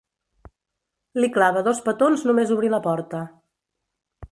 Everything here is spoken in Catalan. Li clava dos petons només obrir la porta.